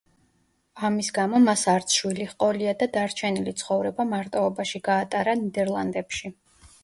ამის გამო მას არც შვილი ჰყოლია და დარჩენილი ცხოვრება მარტოობაში გაატარა ნიდერლანდებში.